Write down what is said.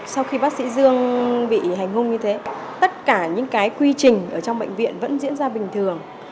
sau khi bác sĩ dương bị hành hung như thế tất cả những cái quy trình ở trong bệnh viện vẫn diễn ra bình thường